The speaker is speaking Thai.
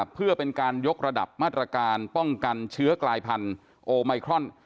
เพื่อเป็นการยกระดับมาตรการป้องกันเชื้อกลายพันธุ์โอไมครอน